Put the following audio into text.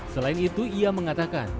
selain itu ia mengatakan